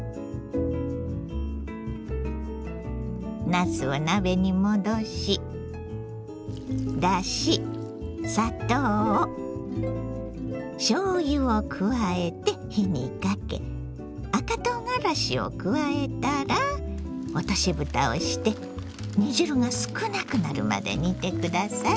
なすを鍋にもどしだし砂糖しょうゆを加えて火にかけ赤とうがらしを加えたら落としぶたをして煮汁が少なくなるまで煮て下さい。